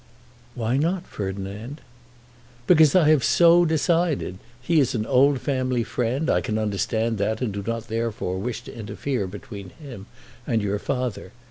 "Why not, Ferdinand?" "Because I have so decided. He is an old family friend. I can understand that, and do not therefore wish to interfere between him and your father.